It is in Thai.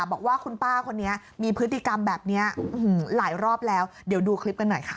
บอกว่าคุณป้าคนนี้มีพฤติกรรมแบบนี้หลายรอบแล้วเดี๋ยวดูคลิปกันหน่อยค่ะ